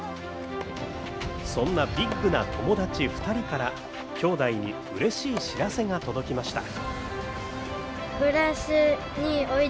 そんなビッグな友達２人から兄弟にうれしい知らせが届きました。